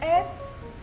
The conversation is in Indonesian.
mas pur sms